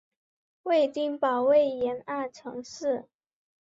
爱丁堡为沿岸城市。